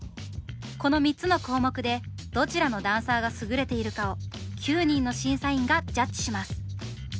この３つの項目でどちらのダンサーが優れているかを９人の審査員がジャッジします。